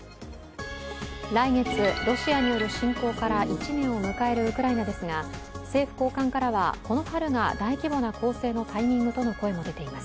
来月、ロシアによる侵攻から１年を迎えるウクライナですが政府高官からは、この春が大規模な攻勢のタイミングとの声も出ています。